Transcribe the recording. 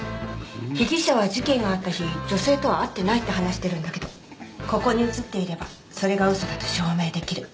被疑者は事件があった日女性とは会っていないって話してるんだけどここに映っていればそれが嘘だと証明できる。